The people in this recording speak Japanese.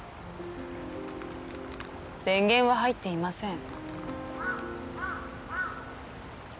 電源は入っていません。